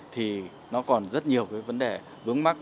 thì nó còn rất nhiều cái vấn đề vướng mắt